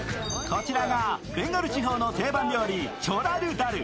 こちらがベンガル地方の定番料理、チョラルダル。